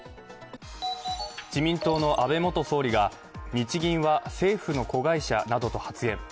自民党の安倍元総理が日銀は政府の子会社などと発言。